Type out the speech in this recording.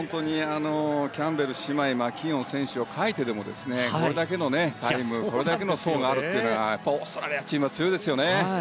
キャンベル姉妹マキーオン選手を欠いてでもこれだけのタイムこれだけの層があるというのはオーストラリアチームは強いですね。